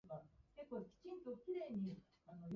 高橋の椅子に画びょうを仕掛けたのは私だ